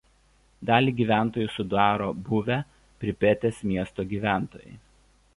Dalį gyventojų sudaro buvę Pripetės miesto gyventojai.